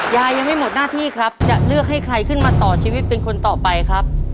ยังไม่หมดหน้าที่ครับจะเลือกให้ใครขึ้นมาต่อชีวิตเป็นคนต่อไปครับ